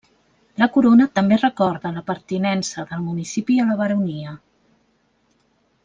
La corona també recorda la pertinença del municipi a la baronia.